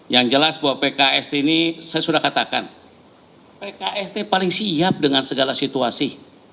yang jelas bahwa pks ini saya sudah katakan pks paling siap dengan segala situasi